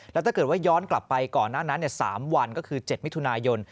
แล้วถ้าเกิดว่าย้อนกลับไปก่อนหน้านั้น๓วันก็คือ๗มิถุนายน